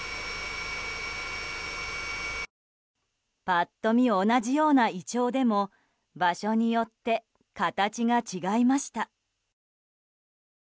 パッと見同じようなイチョウでも場所によって、形が違いました。